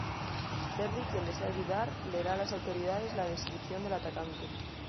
Terry, quien desea ayudar, le da a las autoridades la descripción del atacante.